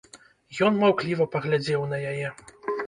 Ён маўкліва паглядзеў на яе.